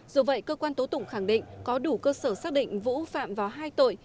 dù vậy cơ quan tố tụng khẳng định có đủ cơ sở xác định vũ phạm vào hai tội